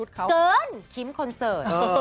เกินคิ้มคอนเสิร์ต